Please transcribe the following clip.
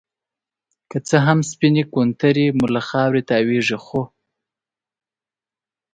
که څه هم سپينې کونترې مو له خاورې تاويږي ،خو